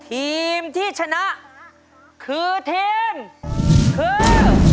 ยกที่๘ทีมที่ชนะคือทีมคือ